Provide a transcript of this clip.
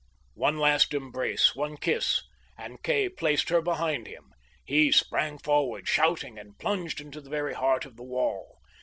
One last embrace, one kiss, and Kay placed her behind him. He sprang forward, shouting, and plunged into the very heart of the wall.